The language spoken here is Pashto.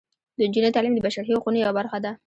د نجونو تعلیم د بشري حقونو یوه برخه ده.